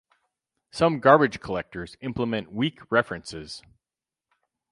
Some garbage collectors implement weak references.